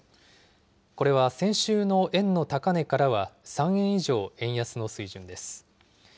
これは先週の円の高値からは３円以上円安の水準です。